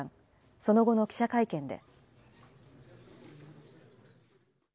その後の記者会見で。